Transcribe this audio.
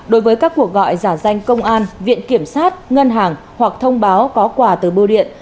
đối với các cuộc gọi giả danh công an viện kiểm sát ngân hàng hoặc thông báo có quà từ bưu điện